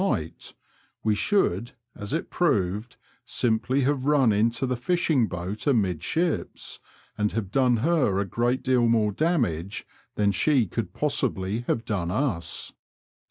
right) we should, as it proved, simply have run into the fishing boat amidships, and have done her a great deal more damage than she could possibly have done us.